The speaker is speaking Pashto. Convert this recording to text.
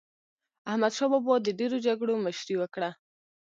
احمدشاه بابا د ډېرو جګړو مشري وکړه.